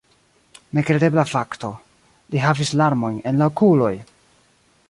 Nekredebla fakto: li havis larmojn en la okuloj!